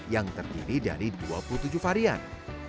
yang terdiri dari dua puluh tujuh varian